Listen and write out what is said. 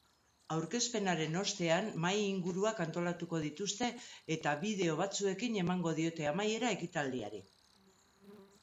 Aurkezpenaren ostean, mahai-inguruak antolatuko dituzte eta bideo batzuekin emango diote amaiera ekitaldiari.